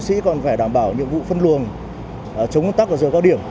sĩ còn phải đảm bảo nhiệm vụ phân luồng chống tắc vào giờ cao điểm